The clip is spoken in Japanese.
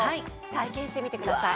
体験してみてください。